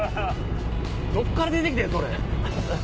どっから出て来てん⁉それ。